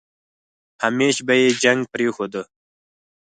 همېش به يې جنګ پرېښوده.